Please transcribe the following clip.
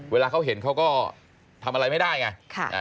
เวลาเขาเห็นเขาก็ทำอะไรไม่ได้ไง